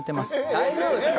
大丈夫ですか？